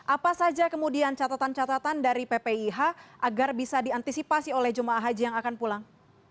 apa saja kemudian catatan catatan dari ppih agar bisa diantisipasi oleh jemaah haji yang akan pulang